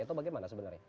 atau bagaimana sebenarnya